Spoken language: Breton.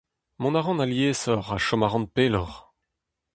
Mont a ran aliesoc'h ha chom a ran pelloc'h !